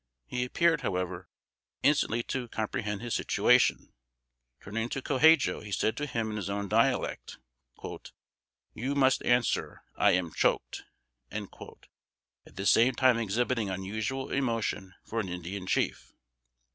He appeared, however, instantly to comprehend his situation. Turning to Co Hadjo, he said to him in his own dialect, "You must answer; I am choked," at the same time exhibiting unusual emotion for an Indian chief.